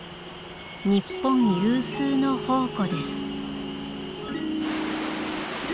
日本有数の宝庫です。